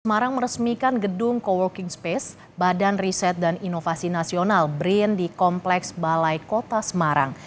semarang meresmikan gedung co working space badan riset dan inovasi nasional brin di kompleks balai kota semarang